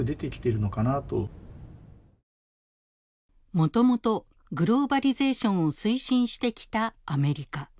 もともとグローバリゼーションを推進してきたアメリカ。